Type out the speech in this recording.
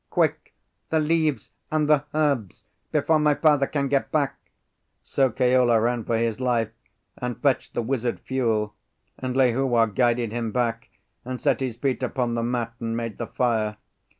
"Quick! the leaves and the herbs, before my father can get back!" So Keola ran for his life, and fetched the wizard fuel; and Lehua guided him back, and set his feet upon the mat, and made the fire.